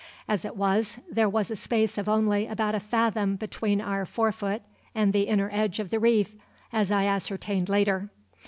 As it was, there was a space of only about a fathom between our forefoot and the inner edge of the reef, as I ascertained later.